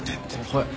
はい？